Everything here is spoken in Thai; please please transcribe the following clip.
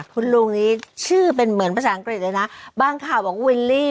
คุณลุงนี้ชื่อเป็นเหมือนภาษาอังกฤษเลยนะบางข่าวบอกว่าวิลลี่